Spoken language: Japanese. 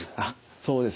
そうですね。